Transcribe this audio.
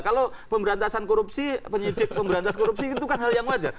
kalau pemberantasan korupsi penyidik pemberantasan korupsi itu kan hal yang wajar